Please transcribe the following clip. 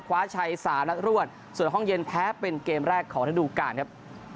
คว้าชัย๓นัดรวดส่วนห้องเย็นแพ้เป็นเกมแรกของระดูการครับ